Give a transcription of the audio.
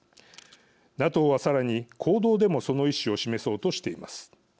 ＮＡＴＯは、さらに行動でもその意思を示そうとしています。